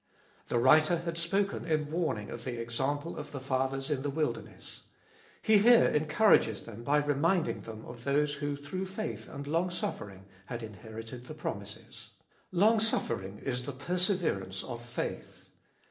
The writer had spoken in warning of the example of the fathers in the wilderness ; he here encourages them by reminding them of those who through faith and longsuffering had inherited the promises. Longsuffering is the perseverance of faith.